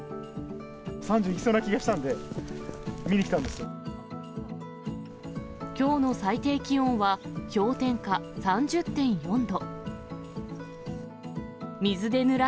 ３０いきそうな気がしたんで、きょうの最低気温は氷点下３０．４度。